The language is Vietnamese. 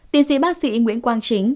tiến sĩ bác sĩ nguyễn quang chính